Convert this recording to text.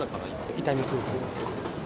伊丹空港。